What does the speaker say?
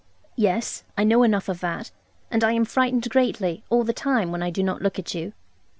'Yes, I know enough of that; and I am frightened greatly, all the time, when I do not look at you.'